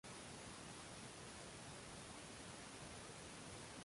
— O‘zi boshqa, asari boshqa, — dedilar.